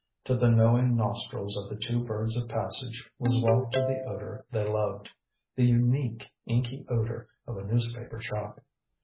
To the knowing nostrils of the two birds of passage was wafted the odor they loved, the unique inky odor of a newspaper shop.